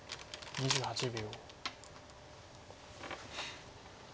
２８秒。